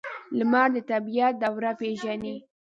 لمر د طبیعت دوره پیژني.